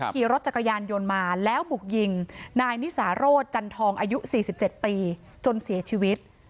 ขี่รถจักรยานยนต์มาแล้วบุกยิงนายนิสาโรธจันทองอายุ๔๗ปีจนเสียชีวิต